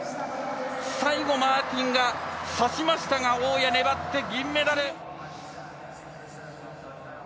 最後、マーティンがさしましたが、大矢が粘って銀メダル。